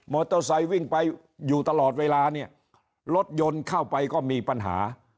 โตไซค์วิ่งไปอยู่ตลอดเวลาเนี่ยรถยนต์เข้าไปก็มีปัญหา